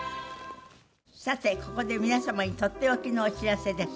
さてここで皆様にとっておきのお知らせです。